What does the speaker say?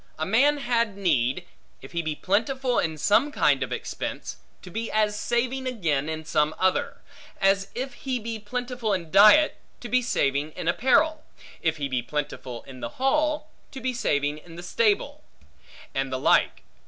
A man had need, if he be plentiful in some kind of expense, to be as saving again in some other. As if he be plentiful in diet, to be saving in apparel; if he be plentiful in the hall, to be saving in the stable; and the like.